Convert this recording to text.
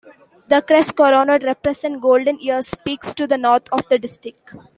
The crest coronet represents Golden Ears peaks to the north of the District.